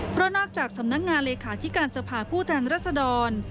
เพราะนอกจากสำนักงานเลขาธิการสภาผู้แทนรัศดร